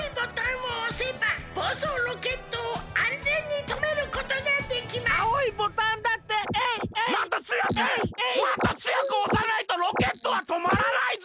もっとつよくおさないとロケットはとまらないぞ！